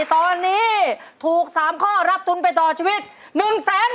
ตอนนี้ถูก๓ข้อรับทุนไปต่อชีวิต๑แสนบาท